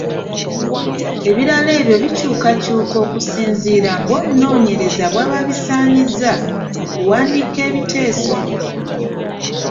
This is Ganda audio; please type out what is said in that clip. Ebirala byo bikyukakyuka okusinziira ng’omunoonyereza bw'aba abisaanyizza mu kuwandiika ekiteeso.